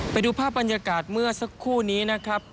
ไปดูภาพบรรยากาศเมื่อสักครู่นี้นะครับ